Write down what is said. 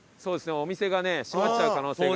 お店がね閉まっちゃう可能性が。